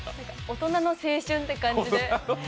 大人の青春って感じで。